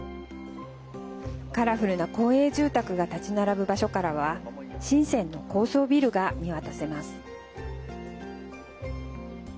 カラフルな公営住宅が建ち並ぶ場所からは深センの高層ビルが見渡せます。